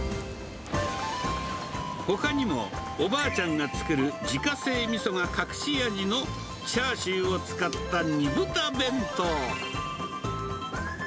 ほかにも、おばあちゃんが作る自家製みそが隠し味のチャーシューを使った煮豚弁当。